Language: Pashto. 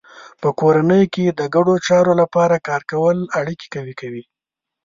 په کورنۍ کې د ګډو چارو لپاره کار کول اړیکې قوي کوي.